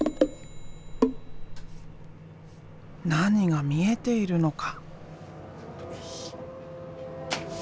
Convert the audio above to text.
何が見えているのか？